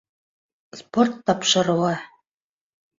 Спорт тапшырыуы